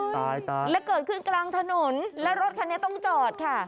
ตายตายและเกิดขึ้นกลางถนนและรถคันนี้ต้องจอดค่ะ